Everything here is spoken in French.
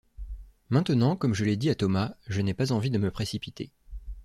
Maintenant, comme je l’ai dit à Thomas, je n’ai pas envie de me précipiter.